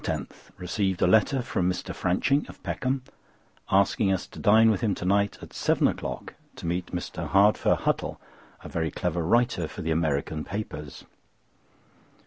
—Received a letter from Mr. Franching, of Peckham, asking us to dine with him to night, at seven o'clock, to meet Mr. Hardfur Huttle, a very clever writer for the American papers.